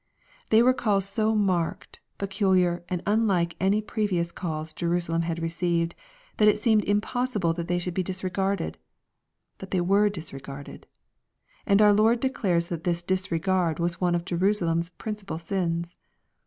They were calls so marked, peculiar, and unlike any pre vious calls Jerusalem had received, that it seemed im possible they should be disregarded. But they were dis regarded ! And our Lord declares that this disregard was one of Jerusalem's principal sins.